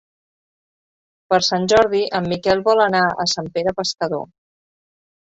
Per Sant Jordi en Miquel vol anar a Sant Pere Pescador.